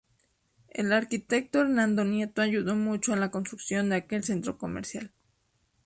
El arquitecto Hernando Nieto ayudó mucho a la construcción de aquel centro comercial.